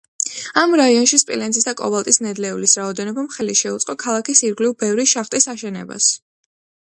ამ რაიონში სპილენძის და კობალტის ნედლეულის რაოდენობამ ხელი შეუწყო ქალაქის ირგვლივ ბევრი შახტის აშენებას.